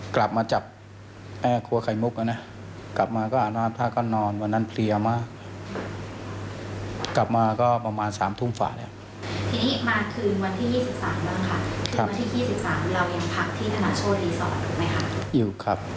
กลับมาก็ประมาณ๓ทุ่มฝาแล้ว